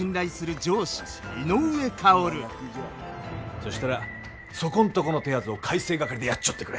そしたらそこんとこの手はずを改正掛でやっちょってくれ。